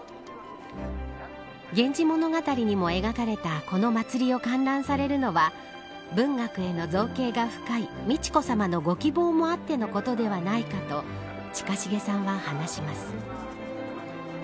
源氏物語にも描かれたこの祭りを観覧されるのは文学への造詣が深い美智子さまのご希望もあってのことではないかと近重さんは話します。